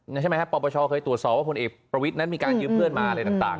ใช่ไหมครับปปชเคยตรวจสอบว่าพลเอกประวิทย์นั้นมีการยืมเพื่อนมาอะไรต่าง